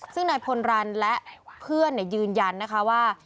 ซึ่งนายพลรันและเพื่อนยืนยันนะคะว่า